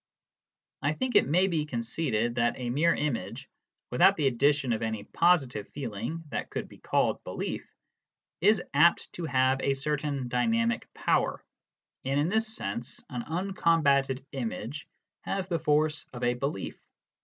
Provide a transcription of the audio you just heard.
I think it may be conceded that a mere image, without the HOW PROPOSITIONS MEAN. 35 addition of any positive feeling that could be called " belief," is apt to have a certain dynamic power, and in this sense an uncombated image has the force of a belief.